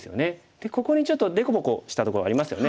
でここにちょっと凸凹したところありますよね。